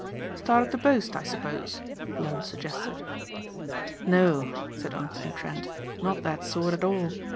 "Started to boast, I suppose?" Lund suggested. "No," said Anthony Trent. "Not that sort at all.